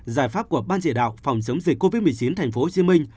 giải pháp của ban chỉ đạo phòng chống dịch covid một mươi chín thành phố hồ chí minh